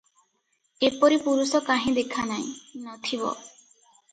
ଏପରି ପୁରୁଷ କାହିଁ ଦେଖା ନାହିଁ, ନ ଥିବ ।